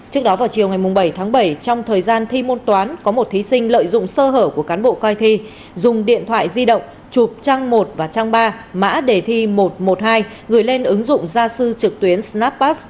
trước đó vào chiều ngày bảy tháng bảy trong thời gian thi môn toán có một thí sinh lợi dụng sơ hở của cán bộ coi thi dùng điện thoại di động chụp trang một và trang ba mã đề thi một trăm một mươi hai gửi lên ứng dụng gia sư trực tuyến snappass